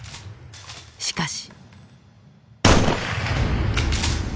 しかし。